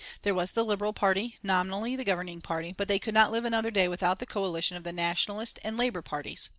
There was the Liberal Party, nominally the governing party, but they could not live another day without the coalition of the Nationalist and the Labour parties.